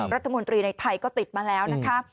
รัฐมนตรีในไทยก็ติดมาแล้วนะคะ